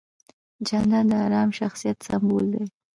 جانداد د ارام شخصیت سمبول دی.